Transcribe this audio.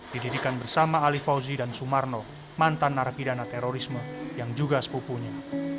didirikan bersama ali fauzi dan sumarno mantan narapidana terorisme yang juga sepupunya